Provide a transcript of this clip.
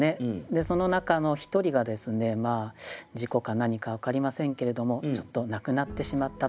でその中の一人がですね事故か何か分かりませんけれどもちょっと亡くなってしまったと。